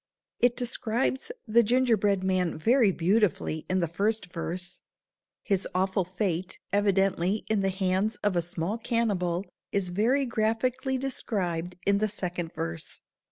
It describes the ginger bread man very beautifully in the first verse. His awful fate, evidently in the hands of a small cannibal, is very graphically described in the second verse.